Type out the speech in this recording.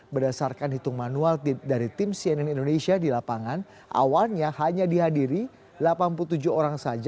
berdasarkan hitung manual dari tim cnn indonesia di lapangan awalnya hanya dihadiri delapan puluh tujuh orang saja